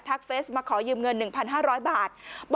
เฟสมาขอยืมเงิน๑๕๐๐บาท